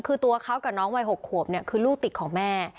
คือตัวเขากับน้องวัย๖ขวบเนี่ยคือลูกติดของแม่